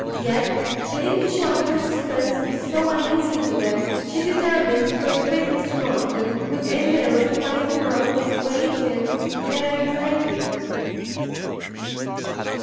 Yet, willing to shorten a suspence so uneasy to them, she determined to entreat Mr Monckton would endeavour to find him out, and acquaint him with their anxiety.